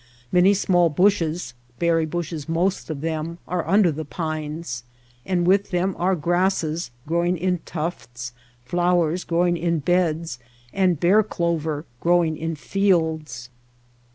Many small bushes — berry bushes most of them — ^are under the pines ; and with them are grasses growing in tufts, flowers growing in beds, and bear clover growing in fields.